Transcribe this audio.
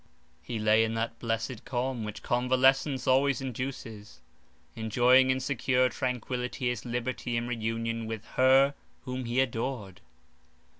He lay in that blessed calm which convalescence always induces, enjoying in secure tranquillity his liberty and re union with her whom he adored.